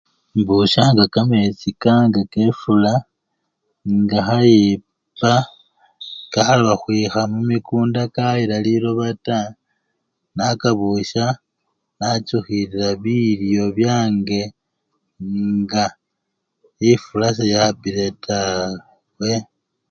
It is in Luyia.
Imbushanga kamechi kange kefula nga kheyipa kalakhwikha mumikunda kayila liloba taa nakabusya nachukhilila bilyo byange nga efula seyapile tawe.